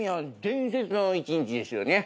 伝説の一日ですよね」